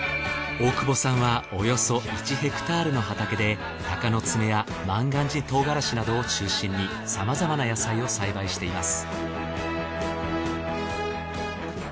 大久保さんはおよそ１ｈａの畑でタカノツメや万願寺トウガラシなどを中心にさまざまな野菜を栽培しています。